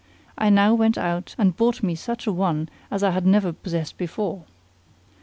I now went out and bought me such a one as I had never possessed before.